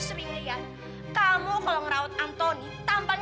sayang ada apa